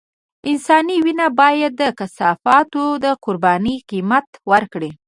انساني وينه بايد د کثافاتو د قربانۍ قيمت ورکړي.